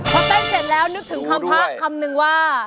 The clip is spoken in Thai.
พอเต้นเสร็จแล้วนึกถึงคำพระคำนึงว่า